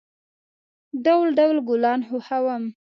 ډول، ډول گلان خوښوم.